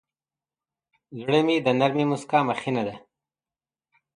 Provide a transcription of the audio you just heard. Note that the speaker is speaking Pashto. زړه د نرمې موسکا مخینه ده.